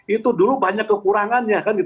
itu dulu banyak kekurangannya